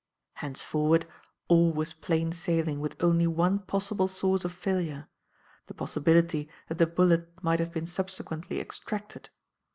Henceforward, all was plain sailing with only one possible source of failure; the possibility that the bullet might have been subsequently extracted.